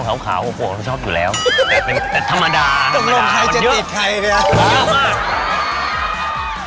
แขาวขาวเราชอบอยู่แล้วแต่ธรรมดาห้นเยอะผิดมาก